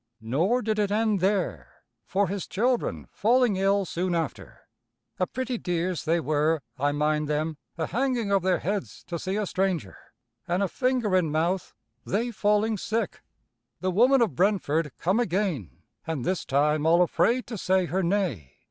"Nor did it end there, for his children falling ill soon after a pretty dears they were, I mind them, a hanging of their heads to see a stranger, an' a finger in mouth they falling sick, the woman of Brentford come again, an' this time all afraid to say her nay.